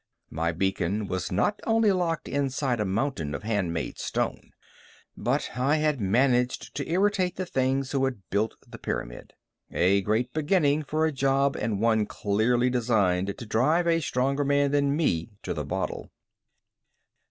My beacon was not only locked inside a mountain of handmade stone, but I had managed to irritate the things who had built the pyramid. A great beginning for a job and one clearly designed to drive a stronger man than me to the bottle.